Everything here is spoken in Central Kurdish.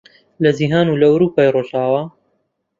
لە جیهان و لە ئەورووپای ڕۆژاوا